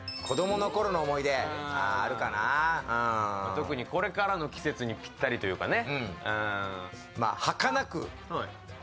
特にこれからの季節にぴったりというかね。